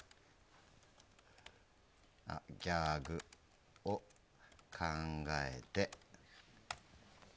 ギャグを考えて。